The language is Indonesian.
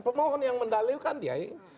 pemohon yang mendalilkan dia